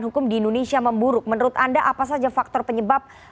hukum di indonesia memburuk menurut anda apa saja faktor penyebab